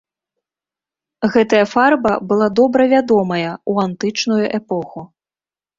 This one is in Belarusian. Гэтая фарба была добра вядомая ў антычную эпоху.